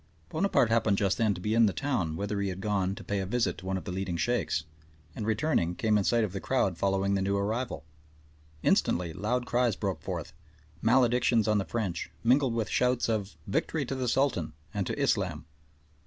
Bonaparte happened just then to be in the town, whither he had gone to pay a visit to one of the leading Sheikhs, and returning came in sight of the crowd following the new arrival. Instantly loud cries broke forth, maledictions on the French, mingled with shouts of "Victory to the Sultan" and to Islam.